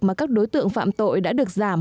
mà các đối tượng phạm tội đã được giảm